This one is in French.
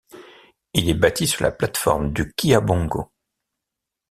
Il est bâti sur la plate-forme du Kia Bongo.